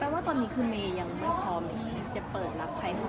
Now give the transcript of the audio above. ว่าตอนนี้คือเมย์ยังไม่พร้อมที่จะเปิดรับใช้